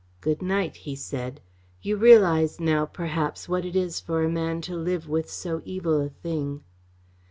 "Good night," he said. "You realise now, perhaps, what it is for a man to live with so evil a thing."